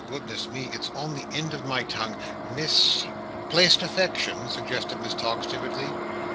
Goodness me, it's on, the end of my tongue. Mis " "Placed affection?" suggested Miss Tox, timidly.